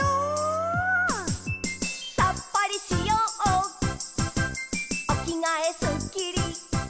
「さっぱりしようおきがえすっきり」